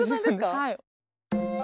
はい。